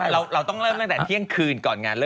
เราต้องเริ่มตั้งแต่เที่ยงคืนก่อน